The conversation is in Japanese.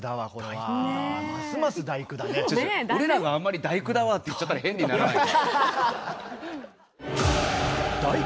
俺らがあんまり「第９」だわって言っちゃったら変にならないか？